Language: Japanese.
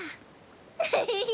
ウフフフ。